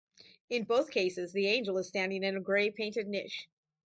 In both cases the angel is standing in a grey painted niche.